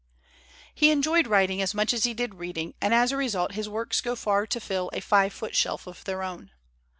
He enjoyed writing as much as he did read ing, and as a result his works go far to fill a five foot shelf of their own.